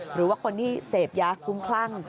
หรือว่าคนที่เสพยาคุ้มคลั่ง